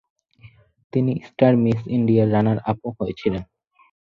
তিনি star miss ইন্ডিয়ার রানার-আপও হয়েছিলেন।